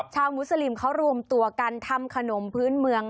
ชาวมุสลิมเขารวมตัวกันทำขนมพื้นเมือง